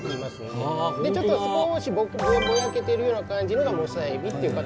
でちょっと少しぼやけているような感じのがモサエビっていう形。